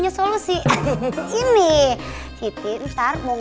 gak usah dibawa nih